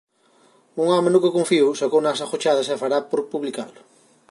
Un home no que confío sacouno ás agochadas e fará por publicalo.